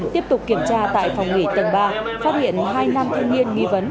tiếp tục kiểm tra tại phòng nghỉ tầng ba phát hiện hai nam thanh niên nghi vấn